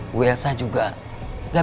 bu elsa juga gak bisa diberi